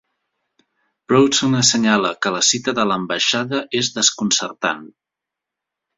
Broughton assenyala que la cita de l'ambaixada és desconcertant.